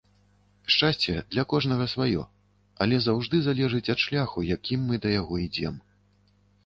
Шчасце для кожнага сваё, але заўжды залежыць ад шляху, якім мы да яго ідзём.